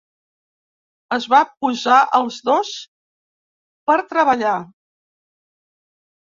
Es va posar els dos per treballar.